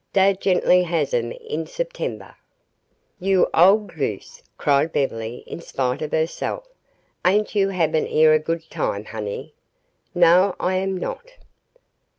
"Dey gen'ly has 'em in Septembeh." "You old goose," cried Beverly, in spite of herself. "Ain' yo' habin' er good time, honey?" "No, I am not."